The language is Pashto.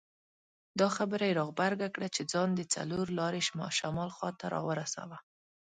دا خبره یې را غبرګه کړه چې ځان د څلور لارې شمال خواته راورساوه.